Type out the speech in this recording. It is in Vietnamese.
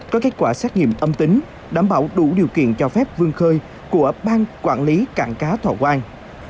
có kết quả xét nghiệm âm tính đảm bảo đủ điều kiện cho phép vươn khơi của ban quản lý cạn cá thọ quang